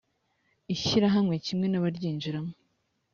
ishyirahamwe kimwe n abaryinjiramo